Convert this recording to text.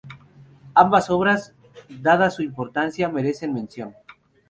Ambas obras, dada su importancia, merecen mención.